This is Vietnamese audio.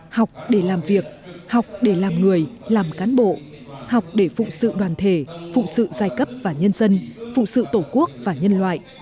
học để làm việc học để làm người làm cán bộ học để phụ sự đoàn thể phụ sự giai cấp và nhân dân phụ sự tổ quốc và nhân loại